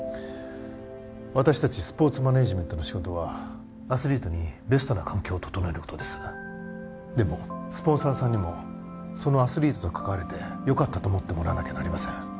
私達スポーツマネージメントの仕事はアスリートにベストな環境を整えることですでもスポンサーさんにもそのアスリートと関われてよかったと思ってもらわなきゃなりません